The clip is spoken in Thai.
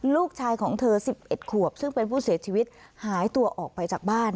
ลูกชายของเธอ๑๑ขวบซึ่งเป็นผู้เสียชีวิตหายตัวออกไปจากบ้าน